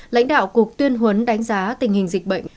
lãnh đạo cục tuyên huấn đánh giá tình hình dịch bệnh